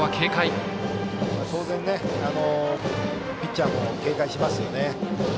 当然、ピッチャーも警戒しますよね。